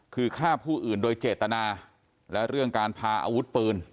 คือฆ่าผู้อื่นโดยเจตนาและเรื่องการพาอาวุธปืน